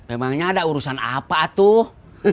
emangnya ada urusan apa tuh